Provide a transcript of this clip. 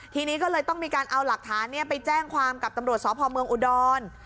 ทีนี้ก็เลยต้องมีการเอาหลักฐานไปแจ้งความกับตำรวจสพเมืองอุดร